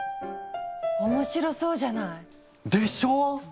面白そうじゃない。でしょう！